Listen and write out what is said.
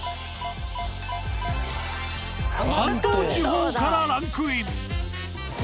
関東地方からランクイン。